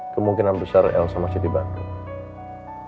kemungkinan besar elsa masih di bandung